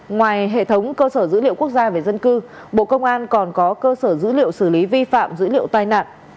ngoài hệ thống cơ sở dữ liệu quốc gia về dân cư bộ công an còn có cơ sở dữ liệu xử lý vi phạm dữ liệu tai nạn